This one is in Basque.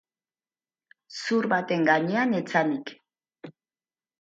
Zur baten gainean etzanik.